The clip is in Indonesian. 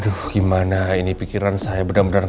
aduh gimana ini pikiran saya bener bener ga karuan